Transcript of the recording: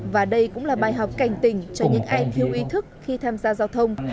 và đây cũng là bài học cảnh tỉnh cho những ai thiếu ý thức khi tham gia giao thông